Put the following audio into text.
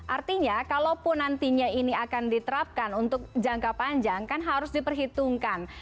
artinya kalaupun nantinya ini akan diterapkan untuk jangka panjang kan harus diperhitungkan